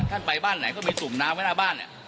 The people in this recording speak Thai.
ท่านไปบ้านไหนก็มีตุ่มน้ำไว้หน้าบ้าน